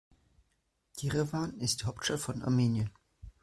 Jerewan ist die Hauptstadt von Armenien.